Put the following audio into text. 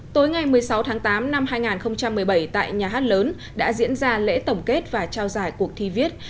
tối ngày một mươi sáu tháng tám năm hai nghìn một mươi bảy tại nhà hát lớn đã diễn ra lễ tổng kết và trao giải cuộc thi viết